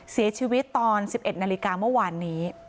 เสียชีวิตตอน๑๑นาฬิกาเมื่อวานนี้